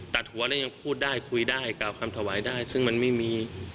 ตัดหัวแล้วยังพูดได้คุยได้กล่าวคำถวายได้ซึ่งมันไม่มี